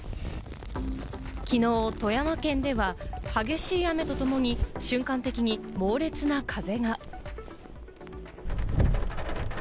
きのう、富山県では激しい雨とともに、瞬間的に猛烈な風が。